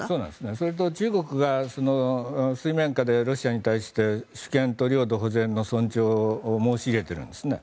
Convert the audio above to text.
それと中国が水面下でロシアに対して主権と領土保全の尊重を申し入れているんですね。